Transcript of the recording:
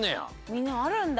みんなあるんだ。